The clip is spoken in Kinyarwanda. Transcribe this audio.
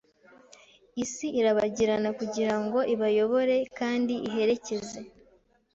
Isi irabagirana kugirango ibayobore kandi iherekeze